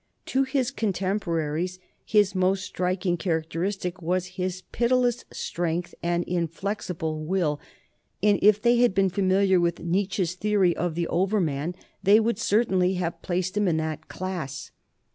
To his con temporaries his most striking characteristic was his pitiless strength and inflexible will, and if they had been familiar with Nietzsche's theory of the 'overman,' they would certainly have placed him in that class.